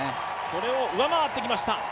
それを上回ってきました